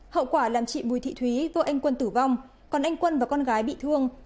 hậu quả làm chị bùi thị thúy vợ anh quân tử vong còn anh quân và con gái bị thương